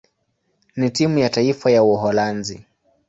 na timu ya taifa ya Uholanzi.